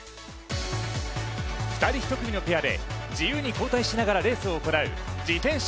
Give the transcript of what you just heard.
２人１組のペアで自由に交代しながら競技を行う自転車